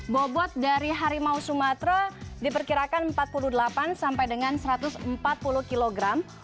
bobot dari harimau sumatera diperkirakan empat puluh delapan sampai dengan satu ratus empat puluh kg